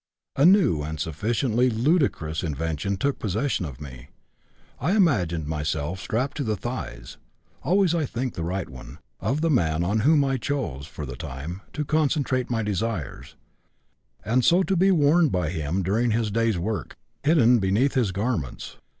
A new and sufficiently ludicrous invention took possession of me; I imagined myself strapped to the thigh (always, I think, the right one) of the man on whom I chose, for the time, to concentrate my desires, and so to be worn by him during his day's work, hidden beneath his garments.